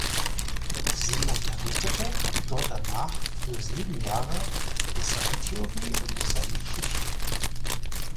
Sie unterrichtete dort danach für sieben Jahre Designtheorie und Designgeschichte.